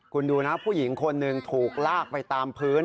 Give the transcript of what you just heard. คุณดูนะผู้หญิงคนหนึ่งถูกลากไปตามพื้น